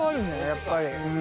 やっぱり。